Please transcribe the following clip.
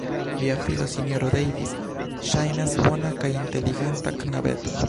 Via filo, Sinjoro Davis, ŝajnas bona kaj inteligenta knabeto.